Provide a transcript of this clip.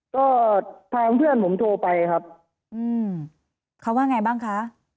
ก็ทางเพื่อนผมโทรไปครับอืมเขาว่าไงบ้างคะ